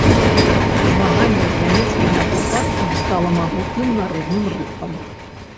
Змаганне з нямецкімі акупантамі стала магутным народным рухам.